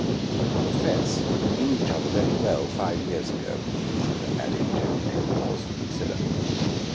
"Confess we knew each other very well five years ago," the visitor added gently, and paused to consider.